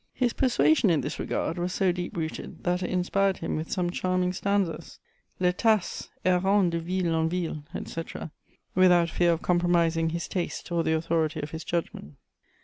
His persuasion in this regard was so deep rooted that it inspired him with some charming stanzas: Le Tasse, errant de ville en ville, etc., without fear of compromising his taste or the authority of his judgment.